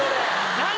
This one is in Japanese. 何？